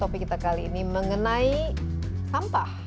topik kita kali ini mengenai sampah